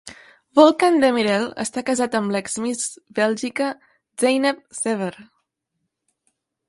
Volkan Demirel està casat amb l'ex Miss Bèlgica Zeynep Sever.